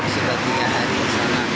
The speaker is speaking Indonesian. sudah tiga hari ke sana